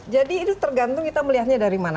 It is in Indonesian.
jadi itu tergantung kita melihatnya dari mana